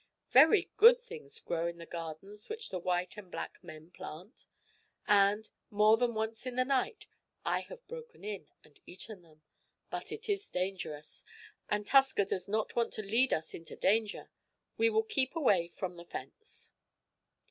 Very good things grow in the gardens which the white and black men plant, and, more than once in the night, I have broken in and eaten them. But it is dangerous, and Tusker does not want to lead us into danger. We will keep away from the fence."